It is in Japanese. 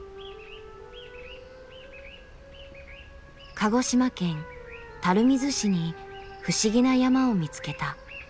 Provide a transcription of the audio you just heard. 鹿児島県垂水市に不思議な山を見つけた。